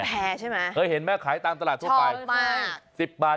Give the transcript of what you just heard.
เป็นแพร่ใช่ไหมเห็นไหมขายตามตลาดทั่วไปชอบมาก